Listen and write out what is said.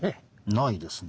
ないですね。